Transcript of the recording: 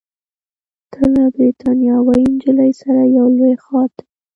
ته له بریتانوۍ نجلۍ سره یو لوی ښار ته ځې.